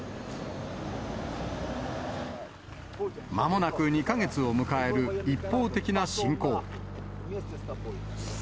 まもなく２か月を迎える一方的な侵攻。